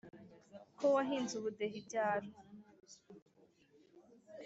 Ko wahinze ubudehe ibyaro.